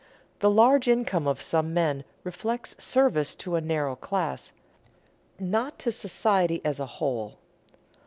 _ The large income of some men reflects service to a narrow class, not to society as a whole.